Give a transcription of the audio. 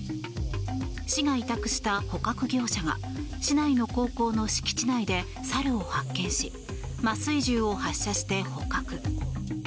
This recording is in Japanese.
市が委託した捕獲業者が市内の高校の敷地内で猿を発見し麻酔銃を発射して捕獲。